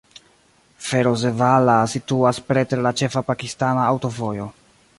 Ferozevala situas preter la ĉefa pakistana aŭtovojo.